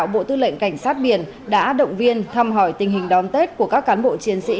bộ tư lệnh cảnh sát biển đã động viên thăm hỏi tình hình đón tết của các cán bộ chiến sĩ